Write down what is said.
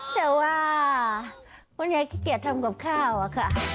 แต่ว่าคุณยายขี้เกียจทำกับข้าวอะค่ะ